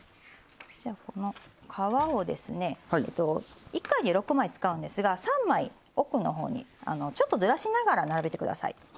じゃあこの皮をですね１回に６枚使うんですが３枚奥の方にちょっとずらしながら並べてください。